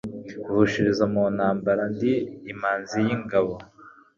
Mvushiriza mu ntambaraNdi Imanzi y' ingabo